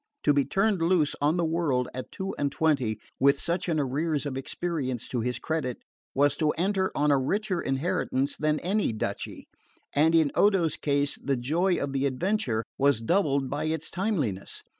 To be turned loose on the world at two and twenty, with such an arrears of experience to his credit, was to enter on a richer inheritance than any duchy; and in Odo's case the joy of the adventure was doubled by its timeliness.